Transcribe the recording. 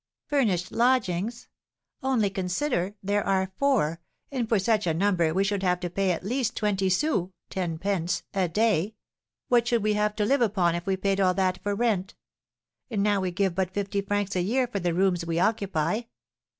"Furnished lodgings! Only consider, there are four, and for such a number we should have to pay at least twenty sous (ten pence) a day. What should we have to live upon if we paid all that for rent? And now we give but fifty francs a year for the rooms we occupy."